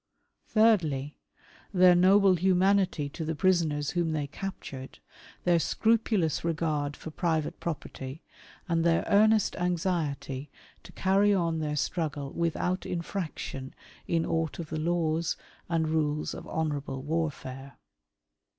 Thirdly, their noble humanity to the prisoners whom they captured, their scrupulous regard for private property, and their earnest anxiety to carry on their struggle without infraction in aught of the laws and rules of honourable warfare.